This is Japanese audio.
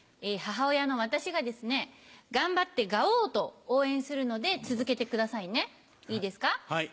母親の私が「頑張ってガオ」と応援するので続けてくださいねいいですか？